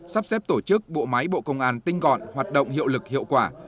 sắp xếp tổ chức bộ máy bộ công an tinh gọn hoạt động hiệu lực hiệu quả